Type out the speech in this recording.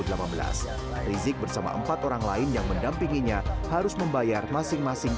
apalagi ulama seperti itu mana bisa dicekal langsung